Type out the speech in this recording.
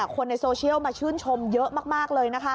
คนในโซเชียลมาชื่นชมเยอะมากเลยนะคะ